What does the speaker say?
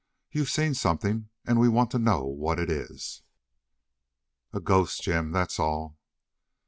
You've seen something, and we want to know what it is." "A ghost, Jim, that's all."